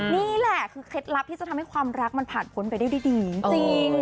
นี่แหละคือเคล็ดลับที่จะทำให้ความรักมันผ่านพ้นไปได้ด้วยดีจริง